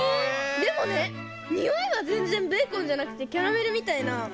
でもねにおいはぜんぜんベーコンじゃなくてキャラメルみたいな。